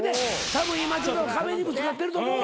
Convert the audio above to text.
たぶん今壁にぶつかってると思うわ。